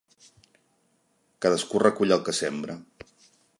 Cadascú recull el que sembra.